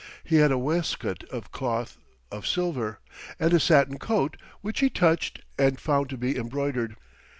He had a waistcoat of cloth of silver; and a satin coat, which he touched and found to be embroidered.